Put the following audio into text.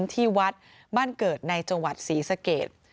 ที่วัดบ้านเกิดในจังหวัดศรีสเกต